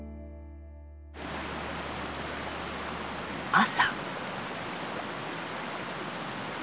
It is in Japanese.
朝。